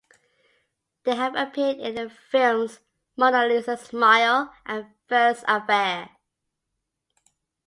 They have appeared in the films "Mona Lisa Smile" and "First Affair.